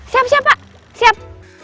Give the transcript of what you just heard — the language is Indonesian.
siap siap pak siap